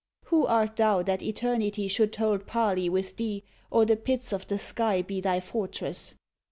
Who art thou that eternity should hold parley with thee, or the pits of the sky be thy fortress?